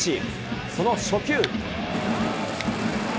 その初球。